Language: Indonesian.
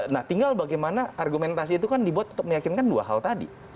nah tinggal bagaimana argumentasi itu kan dibuat untuk meyakinkan dua hal tadi